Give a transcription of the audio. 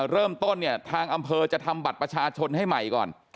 เริ่มต้นเนี่ยทางอำเภอจะทำบัตรประชาชนให้ใหม่ก่อน